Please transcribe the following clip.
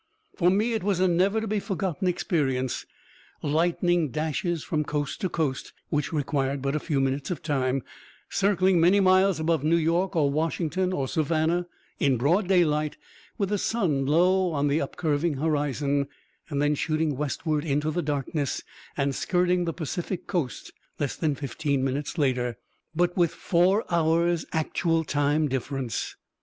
For me it was a never to be forgotten experience. Lightning dashes from coast to coast which required but a few minutes of time circling many miles above New York or Washington or Savannah in broad daylight with the sun low on the up curved horizon; then shooting westward into the darkness and skirting the Pacific coast less than fifteen minutes later, but with four hours' actual time difference.